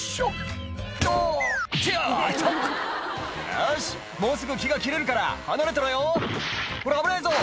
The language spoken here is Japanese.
「よしもうすぐ木が切れるから離れてろよほら危ないぞ」